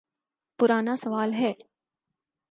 پرانا سوال ہے۔